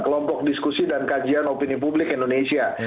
kelompok diskusi dan kajian opini publik indonesia